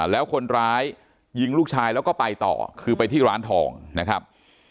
แล้วคนร้ายยิงลูกชายแล้วก็ไปต่อคือไปที่ร้านทองนะครับ